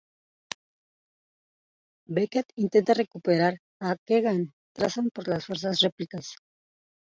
Becket intenta recuperar a Keegan, pero se retrasa por las fuerzas Replicas.